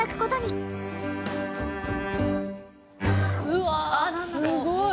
うわすごい！